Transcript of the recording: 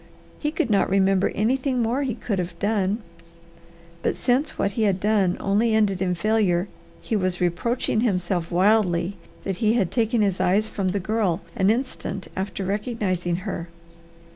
He could not remember anything more he could have done, but since what he had done only ended in failure, he was reproaching himself wildly that he had taken his eyes from the Girl an instant after recognizing her.